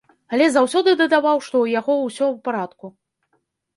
Але заўсёды дадаваў, што ў яго ўсё ў парадку.